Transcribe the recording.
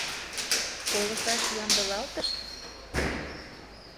колышташ ямдылалтышт.